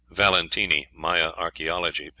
(Valentini, "Maya Archaeology," p.